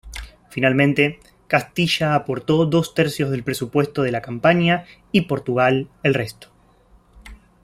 Finalmente, Castilla aportó dos tercios del presupuesto de la campaña y Portugal, el resto.